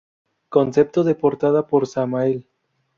Concepto de portada por Samael.